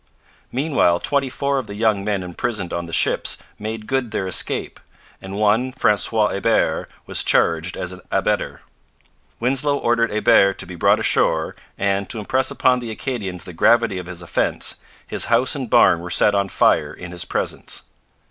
Meanwhile twenty four of the young men imprisoned on the ships made good their escape, and one Francois Hebert was charged as an abettor. Winslow ordered Hebert to be brought ashore, and, to impress upon the Acadians the gravity of his offence, his house and barn were set on fire in his presence.